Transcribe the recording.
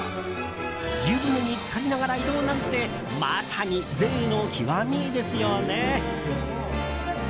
湯船に浸かりながら移動なんてまさに贅の極みですよね。